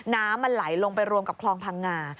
น้ำมันไหลลงไปรวมกับคลองพังงา